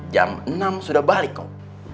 jam enam sudah balik kau